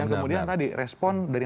kemudian tadi respon dari